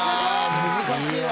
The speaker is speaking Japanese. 難しいわ。